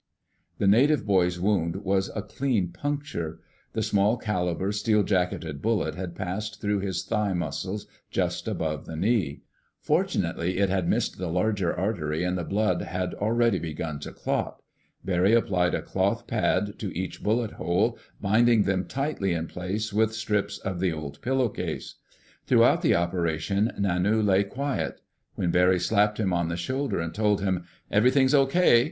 The native boy's wound was a clean puncture. The small caliber, steel jacketed bullet had passed through his thigh muscles just above the knee. Fortunately it had missed the larger artery and the blood had already begun to clot. Barry applied a cloth pad to each bullet hole, binding them tightly in place with strips of the old pillowcase. Throughout the operation, Nanu lay quiet. When Barry slapped him on the shoulder and told him, "Everything's okay!"